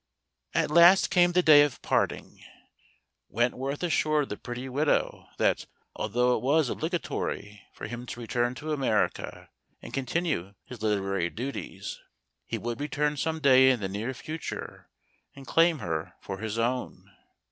At last came the day of parting. Wentworth as¬ sured the pretty widow that, although it was obliga¬ tory for him to return to America and continue his literary duties, he would return some day in the near future and claim her for his own.